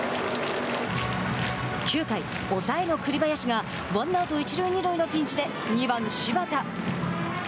９回、抑えの栗林がワンアウト、一塁二塁のピンチで２番柴田。